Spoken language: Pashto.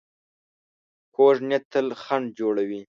کوږ نیت تل خنډ جوړوي